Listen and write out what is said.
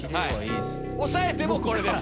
抑えてもこれです。